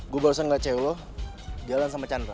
gue barusan ngeliat cewek lo jalan sama chandra